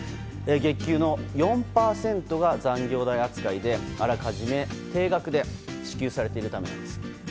月給の４％が残業代扱いであらかじめ定額で支給されているためです。